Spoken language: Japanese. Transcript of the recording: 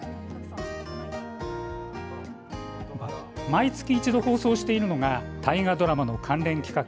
毎月１度放送しているのが大河ドラマの関連企画